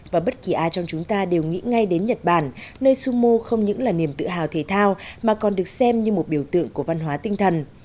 và bất kỳ ai trong chúng ta đều nghĩ ngay đến nhật bản nơi summu không những là niềm tự hào thể thao mà còn được xem như một biểu tượng của văn hóa tinh thần